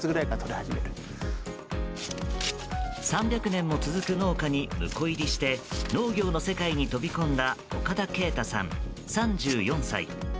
３００年も続く農家に婿入りして農業の世界に飛び込んだ岡田啓太さん、３４歳。